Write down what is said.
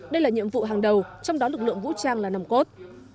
đây là nhiệm vụ hàng đầu trong đó lực lượng vũ trang là nằm cốt